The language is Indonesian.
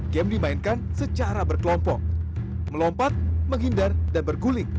game dimainkan secara berkelompok melompat menghindar dan berguling